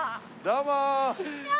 どうも。